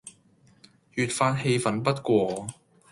越發氣憤不過，